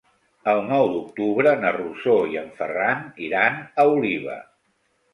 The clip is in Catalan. El nou d'octubre na Rosó i en Ferran iran a Oliva.